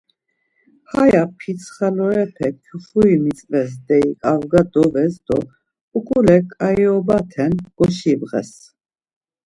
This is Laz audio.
Haya pitsxalorepek kufuri mitzvez deyi kavga dorez do ukule kayiobate goşibğez.